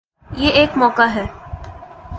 یہ ایک موقع ہے۔